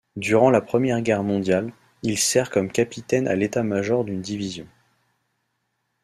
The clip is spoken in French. Durant la Première Guerre mondiale, il sert comme capitaine à l'état-major d'une division.